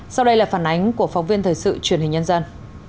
sau đây là phản ánh của phóng viên thời sự truyền hình nhân dân